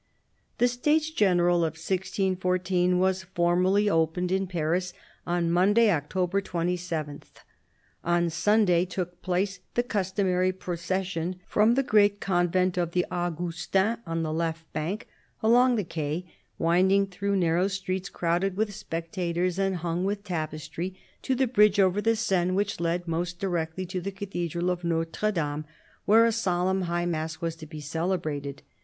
The States General of 1614 were formally opened in Paris on Monday, October 27. On Sunday took place the customary procession from the great Convent of the Augustins on the left bank, along the quay, winding through narrow streets crowded with spectators and hung THE BISHOP OF LU^ON 6^ with tapestry, to the bridge over the Seine which led most directly to the Cathedral of Notre Dame, where a solemn high mass was to be celebrated.